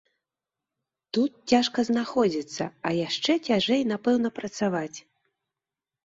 Тут цяжка знаходзіцца, а яшчэ цяжэй, напэўна, працаваць.